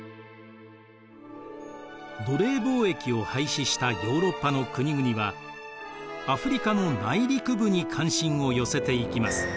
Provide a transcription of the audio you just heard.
奴隷貿易を廃止したヨーロッパの国々はアフリカの内陸部に関心を寄せていきます。